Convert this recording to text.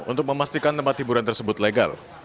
untuk memastikan tempat hiburan tersebut legal